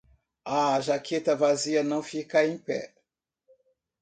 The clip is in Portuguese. A jaqueta vazia não fica em pé.